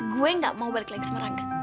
gue gak mau balik lagi sama rangga